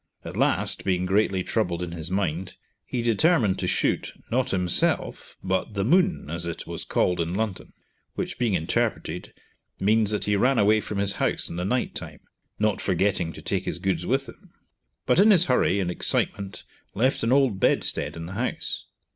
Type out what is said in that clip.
At last, being greatly troubled in his mind, he determined to shoot, not himself, but the moon, as it was called in London, which being interpreted means that he ran away from his house in the night time, not forgetting to take his goods with him; but in his hurry and excitement left an old bedstead in the house.